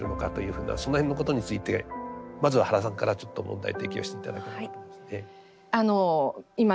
その辺のことについてまずは原さんからちょっと問題提起をして頂ければと思います。